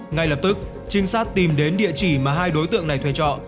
ngay lập tức trinh sát tìm đến địa chỉ mà hai đối tượng này thuê trọ